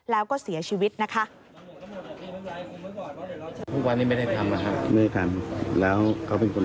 แล้วก็เสียชีวิตนะคะ